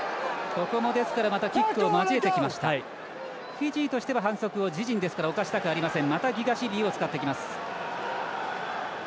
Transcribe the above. フィジーとしては反則を、自陣ですから犯したくありません。